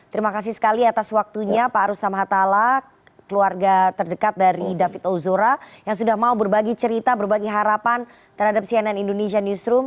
terima kasih sekali atas waktunya pak rustam hatala keluarga terdekat dari david ozora yang sudah mau berbagi cerita berbagi harapan terhadap cnn indonesia newsroom